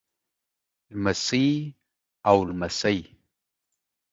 لمسۍ او لمسى